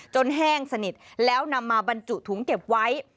แห้งสนิทแล้วนำมาบรรจุถุงเก็บไว้